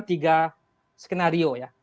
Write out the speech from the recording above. menunjukkan tiga skenario